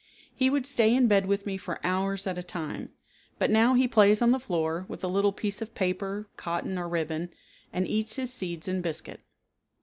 He would stay in bed with me for hours at a time, but now he plays on the floor, with a little piece of paper, cotton, or ribbon, and eats his seeds and biscuit.